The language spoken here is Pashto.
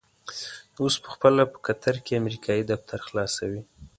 اوس په خپله په قطر کې امريکايي دفتر خلاصوي.